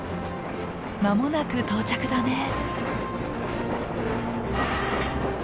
間もなく到着だね。